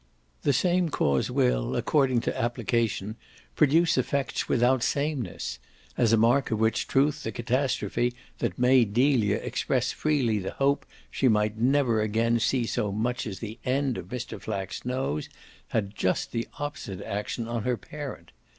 The same cause will according to application produce effects without sameness: as a mark of which truth the catastrophe that made Delia express freely the hope she might never again see so much as the end of Mr. Flack's nose had just the opposite action on her parent.